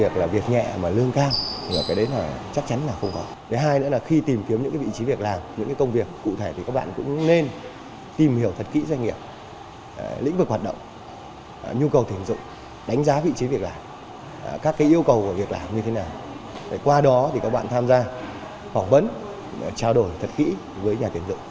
các yêu cầu của việc làm như thế nào qua đó các bạn tham gia phỏng vấn trao đổi thật kỹ với nhà tiền dựng